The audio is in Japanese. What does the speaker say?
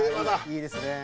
いいですね。